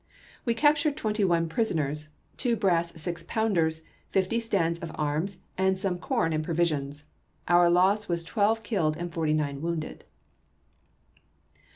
We captured twenty one prison ers, two brass 6 pounders, fifty stands of arms, and Kosecrans some corn and provisions. Our loss was twelve juiyivpi! killed and forty nine wounded."